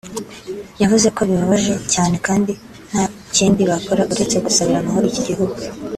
yavuze ko bibabaje cyane kandi nta kindi bakora uretse gusabira amahoro iki gihugu